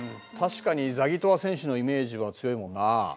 確かにザギトワ選手のイメージは強いもんなあ。